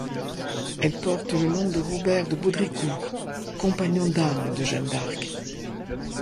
Elle porte le nom de Robert de Baudricourt, compagnon d'armes de Jeanne d'Arc.